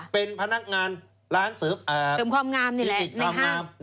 เป็นพนักงานร้านเสิร์ฟอาที่ติดทำงาม